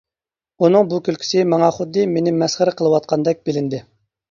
ئۇنىڭ بۇ كۈلكىسى ماڭا خۇددى مېنى مەسخىرە قىلىۋاتقاندەك بىلىندى.